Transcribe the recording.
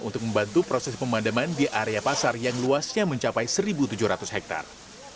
untuk membantu proses pemadaman di area pasar yang luasnya mencapai satu tujuh ratus hektare